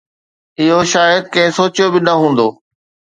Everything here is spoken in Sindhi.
اهو شايد ڪنهن سوچيو به نه هوندو